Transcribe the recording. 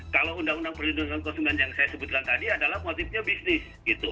kalau undang undang perlindungan konsumen yang saya sebutkan tadi adalah motifnya bisnis gitu